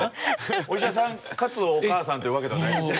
お医者さんかつお母さんというわけではないんですよ。